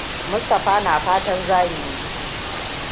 Mustapha na fatan za mu yi.